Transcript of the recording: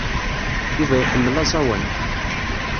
Yuba iḥemmel aẓawan.